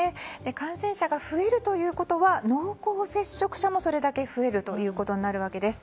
感染者が増えるということは濃厚接触者もそれだけ増えるということになるわけです。